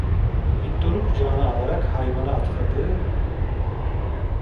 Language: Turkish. Viktor'u kucağına alarak hayvana atladı…